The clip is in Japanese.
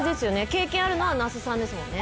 経験あるのは那須さんですもんね。